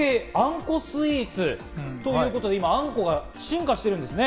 あんこスイーツということで、今、あんこが進化してるんですね。